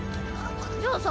じゃあさ